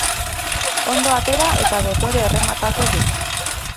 Ondo atera eta dotore errematatu du.